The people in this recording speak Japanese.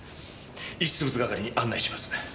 遺失物係に案内します。